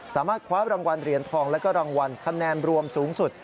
สามารถคว้ารางวัลเหรียญทองและก็รางวัลคะแนนรวมสูงสุด